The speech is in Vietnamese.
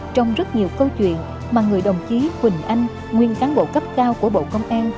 trong rất nhiều câu chuyện mà người đồng chí quỳnh anh nguyên cán bộ cấp cao của bộ công an